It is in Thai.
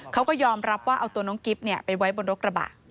เขาก็ยอมรับว่าเอาตัวน้องกิ๊บไปไว้บนรถกระบะ